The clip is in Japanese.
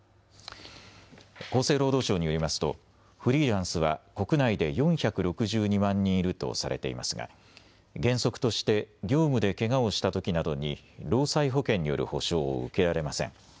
厚生労働省によりますとフリーランスは国内で４６２万人いるとされていますが原則として業務でけがをしたときなどに労災保険による補償を受けられません。